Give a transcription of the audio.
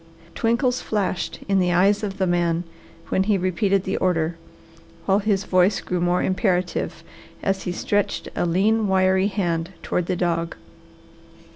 Twinkles flashed in the eyes of the man when he repeated the order, while his voice grew more imperative as he stretched a lean, wiry hand toward the dog.